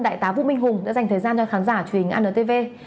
đại tá vũ minh hùng đã dành thời gian cho khán giả truyền hình antv